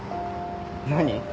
何？